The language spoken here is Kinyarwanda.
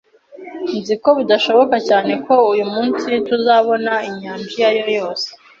Nzi ko bidashoboka cyane ko uyu munsi tuzabona inyanja iyo ari yo yose